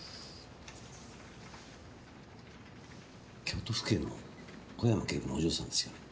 京都府警の小山警部のお嬢さんですよね？